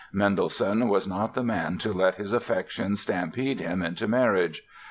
Mendelssohn was not the man to let his affections stampede him into marriage.